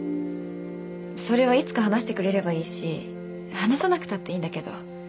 「それはいつか話してくれればいいし話さなくたっていいんだけど」